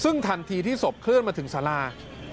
ซึ่งทันทีที่ศพเคลื่อนมาถึงสารา